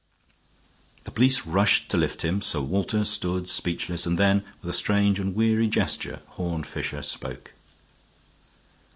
The police rushed to lift him; Sir Walter stood speechless; and then, with a strange and weary gesture, Horne Fisher spoke.